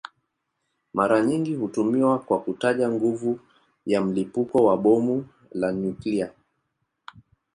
Mara nyingi hutumiwa kwa kutaja nguvu ya mlipuko wa bomu la nyuklia.